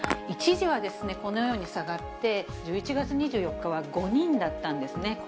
一時はですね、このように下がって、１１月２４日は５人だったんですね。